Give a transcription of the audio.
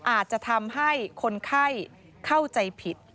อาจจะทำให้คนไข้เข้าใจผิด